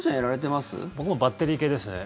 僕もバッテリー系ですね。